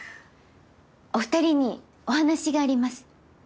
お二人にお話があります。